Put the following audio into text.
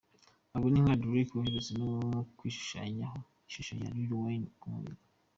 Abo ni nka Drake uherutse no kwishushanyaho ishusho ya Lil Wayne ku mubiri.